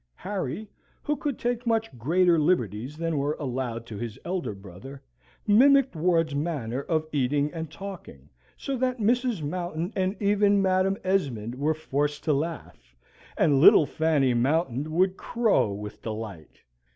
Harry, who could take much greater liberties than were allowed to his elder brother, mimicked Ward's manner of eating and talking, so that Mrs. Mountain and even Madam Esmond were forced to laugh, and little Fanny Mountain would crow with delight.